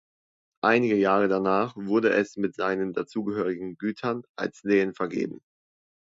Einige Jahre danach wurde es mit seinen dazugehörigen Gütern als Lehen vergeben.